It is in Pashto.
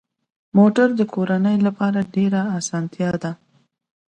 موټر د کورنۍ لپاره ډېره اسانتیا ده.